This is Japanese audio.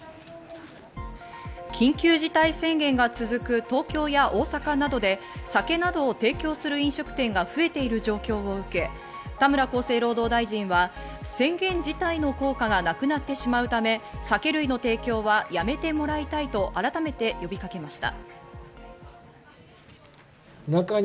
緊急事態宣言が続く東京や大阪などで酒などを提供する飲食店が増えている状況を受け、田村厚生労働大臣は宣言自体の効果がなくなってしまうため酒類の提供はやめてもらいたいと改めて呼びかけました。